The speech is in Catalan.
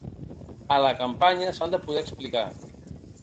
En la campanya s’han de poder explicar.